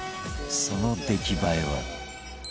その出来栄えは？